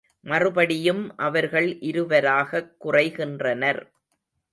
மறுபடியும் அவர்கள் இருவராகக் குறைகின்றனர்.